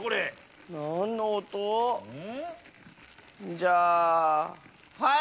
じゃあはい！